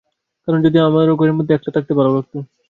কারণ যদি আমারো ঘরের মধ্যে একলা থাকতে ভালো লাগতো।